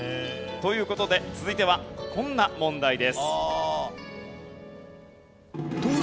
という事で続いてはこんな問題です。